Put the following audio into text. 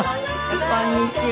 こんにちは。